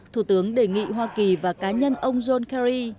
thủ tướng đề nghị hoa kỳ và cá nhân ông john kerry